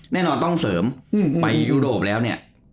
แน่นอนต้องเสริมไปยุโรปแล้วเนี่ย